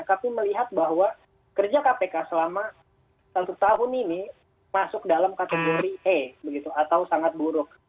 kami melihat bahwa kerja kpk selama satu tahun ini masuk dalam kategori e begitu atau sangat buruk